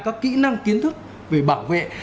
các kỹ năng kiến thức về bảo vệ